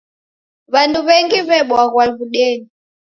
W'andu w'engi w'ebwaghwa w'udenyi.